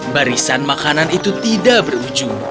barisan makanan itu tidak berujung